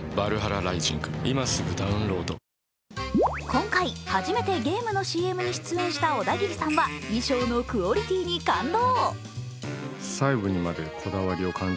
今回、初めてゲームのＣＭに出演したオダギリさんは衣装のクオリティーに感動。